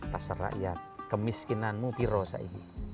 pasar rakyat kemiskinanmu pirosa ini